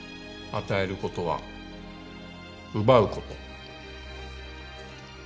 与えることは奪うこと。